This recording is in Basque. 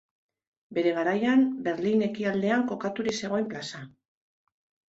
Bere garaian, Berlin ekialdean kokaturik zegoen plaza.